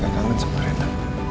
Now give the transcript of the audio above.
papa juga kangen sama rena